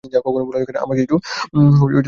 আমার কিছু চিঠি লেখার আছে।